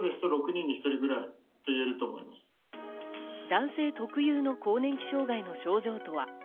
男性特有の更年期障害の症状とは？